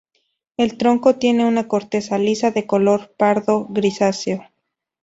El tronco tiene una corteza lisa, de color pardo-grisáceo.